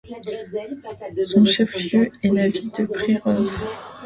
Son chef-lieu est la ville de Přerov.